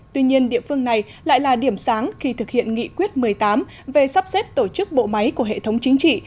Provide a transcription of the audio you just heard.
tuy nhiên địa phương này lại là điểm sáng khi thực hiện nghị quyết một mươi tám về sắp xếp tổ chức bộ máy của hệ thống chính trị